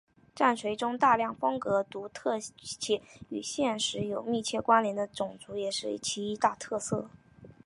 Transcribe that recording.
战锤中大量风格独特且与现实有密切关联的种族也是其一大特色。